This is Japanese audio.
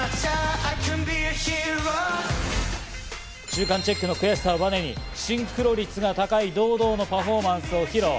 中間チェックの悔しさをバネに、シンクロ率が高い堂々のパフォーマンスを披露。